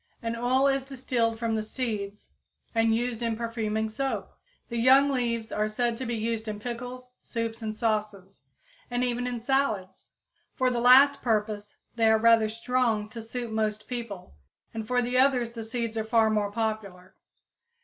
An oil is distilled from the seeds and used in perfuming soap. The young leaves are said to be used in pickles, soups and sauces, and even in salads. For the last purpose they are rather strong to suit most people, and for the others the seeds are far more popular.